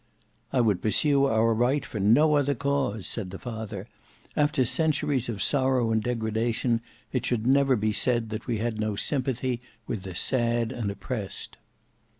"I would pursue our right for no other cause," said the father. "After centuries of sorrow and degradation, it should never be said, that we had no sympathy with the sad and the oppressed."